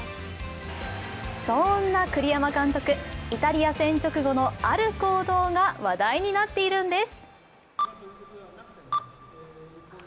そんな栗山監督、イタリア戦直後のある行動が話題になっているんです。